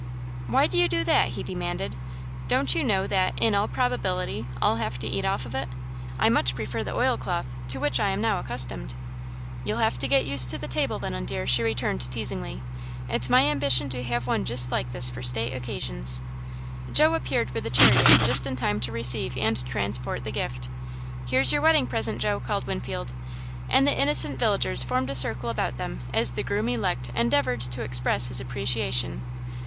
"Why do you do that?" he demanded. "Don't you know that, in all probability, I'll have to eat off of it? I much prefer the oilcloth, to which I am now accustomed." "You'll have to get used to table linen, dear," she returned teasingly; "it's my ambition to have one just like this for state occasions." Joe appeared with the chariot just in time to receive and transport the gift. "Here's your wedding present, Joe!" called Winfield, and the innocent villagers formed a circle about them as the groom elect endeavoured to express his appreciation.